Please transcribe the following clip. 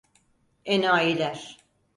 Enayiler!